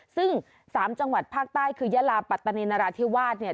ซึ่ง๓จังหวัดภาคใต้คือยาลาปัตตานีนราธิวาสเนี่ย